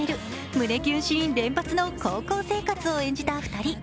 胸キュンシーン連発の高校生活を演じた２人。